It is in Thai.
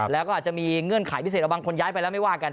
แล้วก็อาจจะมีเงื่อนไขพิเศษว่าบางคนย้ายไปแล้วไม่ว่ากัน